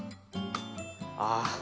ああ！